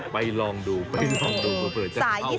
ไปลองดูไปลองดูกระเป๋าจะเข้ามาได้